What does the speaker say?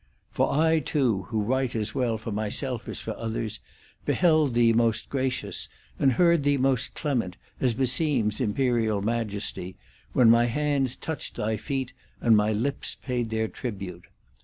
X For I too, who write as well for myself as for others, beheld thee most gracious, and heard thee most clement, as beseems Imperial Majesty, when my hands touched thy feet, and my lips paid their tribute.